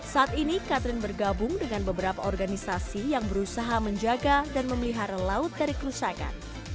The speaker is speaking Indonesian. saat ini catherine bergabung dengan beberapa organisasi yang berusaha menjaga dan memelihara laut dari kerusakan